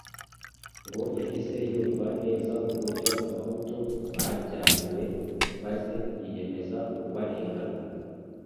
ngo yahise yumva neza uburyo abahutu baryamiwe maze yiyemeza kubarenganura